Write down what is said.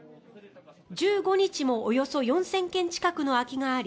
１５日もおよそ４０００件近くの空きがあり